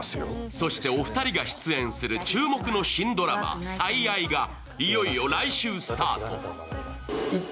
そしてお二人が出演する注目の新ドラマ「最愛」がいよいよ来週スタート。